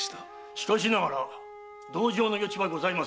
しかしながら同情の余地はございません。